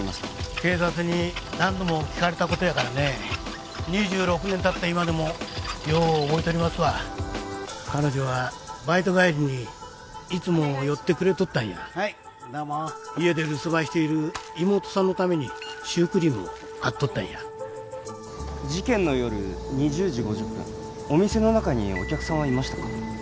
警察に何度も聞かれたことやからね２６年たった今でもよう覚えとりますわ彼女はバイト帰りにいつも寄ってくれとったんや家で留守番している妹さんのためにシュークリームを買っとったんや事件の夜２０時５０分お店の中にお客さんはいましたか？